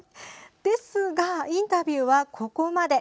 ですがインタビューはここまで。